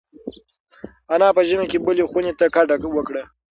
انا په ژمي کې بلې خونې ته کډه وکړه.